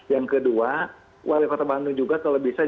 yang kedua wali kota bandung juga kalau bisa